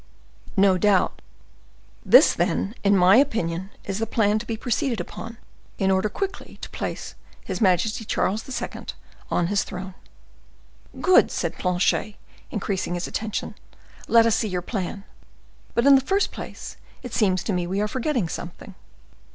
"No doubt. This, then, in my opinion, is the plan to be proceeded upon in order quickly to replace his majesty Charles II. on his throne." "Good!" said Planchet, increasing his attention; "let us see your plan. But in the first place it seems to me we are forgetting something."